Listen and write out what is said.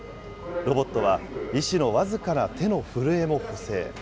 ロボットは医師の僅かな手の震えも補正。